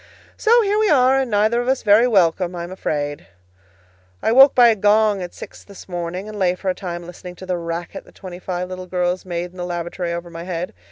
So here we are, and neither of us very welcome, I am afraid. I woke by a gong at six this morning, and lay for a time listening to the racket that twenty five little girls made in the lavatory over my head.